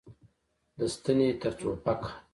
له ستنې تر ټوپکه.